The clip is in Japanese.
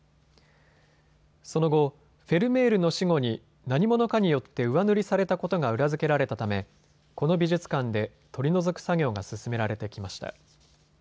その後、フェルメールの死後に何者かによって上塗りされたことが裏付けられたためこの美術館で取り除く作業が進められてきました。